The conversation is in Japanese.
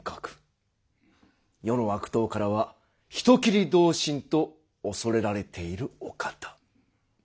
世の悪党からは人斬り同心と恐れられているお方。